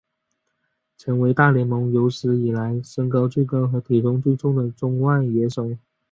成为大联盟有史以来身高最高和体重最重的中外野手。